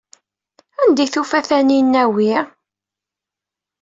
Anda ay d-tufa Taninna wi?